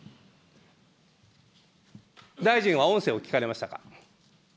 大臣は音声を聞かれましたか。